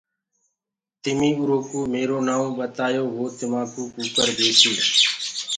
تمي اُرو ڪوُ ميرو نائونٚ ٻتآيو وو تمآ ڪوُ ڪٚڪر ديديسي۔